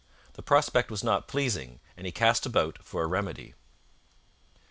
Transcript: The prospect was not pleasing, and he cast about for a remedy.